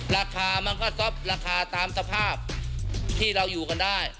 ราคามันก็ซบราคาตามสภาพที่เราอยู่กันได้